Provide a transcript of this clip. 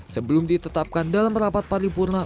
sebelum ditetapkan dalam rapat paripurna